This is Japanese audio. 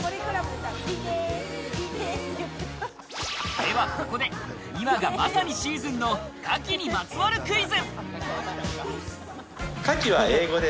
ではここで今がまさにシーズンの牡蠣にまつわるクイズ。